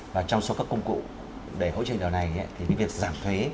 và trong số các công cụ để hỗ trợ điều này thì việc giảm thuế